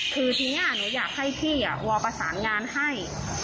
คือทีนี้หนูอยากให้พี่วอลประสานงานให้